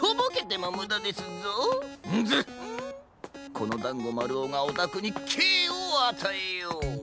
このだんごまるおがおたくにけいをあたえよう。